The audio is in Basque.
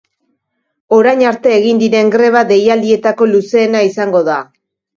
Orain arte egin diren greba deialdietako luzeena izango da.